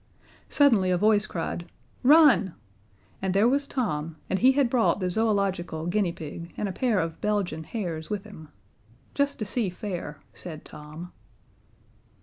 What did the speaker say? Suddenly a voice cried: "Run!" and there was Tom, and he had brought the Zoological guinea pig and a pair of Belgian hares with him. "Just to see fair," said Tom.